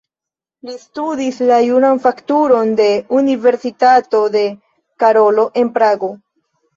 Li studis la juran fakultaton de Universitato de Karolo en Prago.